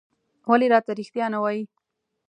ولې راته رېښتيا نه وايې؟